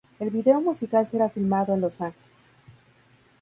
El video musical será filmado en Los Ángeles.